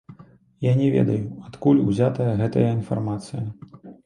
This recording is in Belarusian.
Я не ведаю адкуль узятая гэтая інфармацыя.